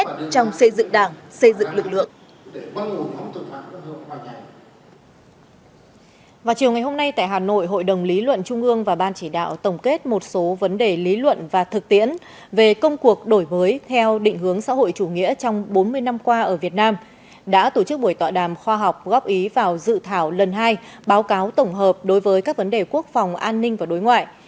trong chiều ngày hôm nay tại hà nội hội đồng lý luận trung ương và ban chỉ đạo tổng kết một số vấn đề lý luận và thực tiễn về công cuộc đổi mới theo định hướng xã hội chủ nghĩa trong bốn mươi năm qua ở việt nam đã tổ chức buổi tọa đàm khoa học góp ý vào dự thảo lần hai báo cáo tổng hợp đối với các vấn đề quốc phòng an ninh và đối ngoại